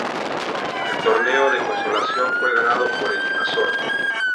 El Torneo de Consolación fue ganado por el Azor.